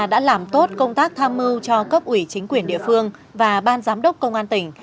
đã làm tốt công tác tham mưu cho cấp ủy chính quyền địa phương và ban giám đốc công an tỉnh